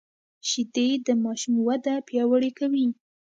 شیدې د ماشوم وده پیاوړې کوي